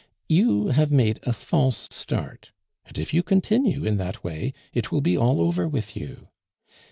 You have made a false start; and if you continue in that way, it will be all over with you.